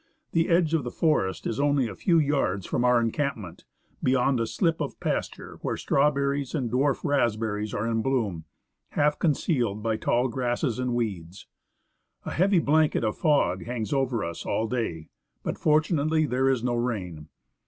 The edge of the forest is only a few yards from our encampment, beyond a slip of pasture where strawberries and dwarf raspberries are in bloom, half concealed by tall grasses and weeds. A heavy blanket of fog hangs over us all day, but, fortunately, there is no rain.